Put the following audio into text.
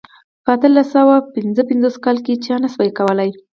په اتلس سوه پنځه پنځوس کال کې چا نه شوای کولای.